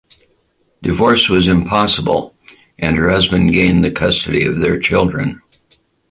Divorce was impossible and her husband gained the custody of their children.